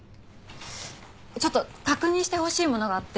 ちょっと確認してほしいものがあって。